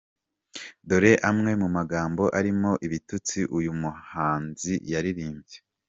Dore amwe mu magambo arimo ibitutsi uyu muhanzi yaririmbye :.